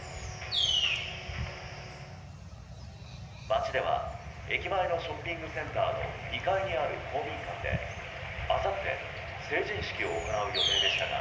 町では駅前のショッピングセンターの２階にある公民館で、あさって成人式を行う予定でしたが